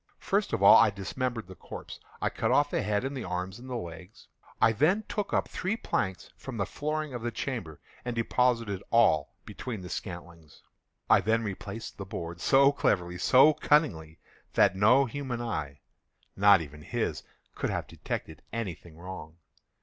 First of all I dismembered the corpse. I cut off the head and the arms and the legs. I then took up three planks from the flooring of the chamber, and deposited all between the scantlings. I then replaced the boards so cleverly, so cunningly, that no human eye—not even his—could have detected any thing wrong.